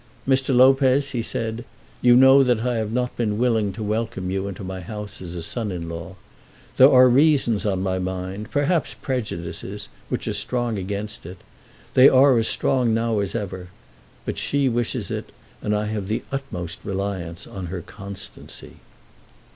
"Mr. Lopez," he said, "you know that I have not been willing to welcome you into my house as a son in law. There are reasons on my mind, perhaps prejudices, which are strong against it. They are as strong now as ever. But she wishes it, and I have the utmost reliance on her constancy."